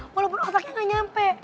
walaupun otaknya nggak nyampe